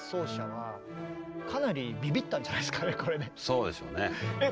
そうでしょうね。